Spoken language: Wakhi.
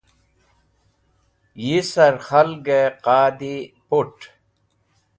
Yi sar k̃halgẽ qadi put̃.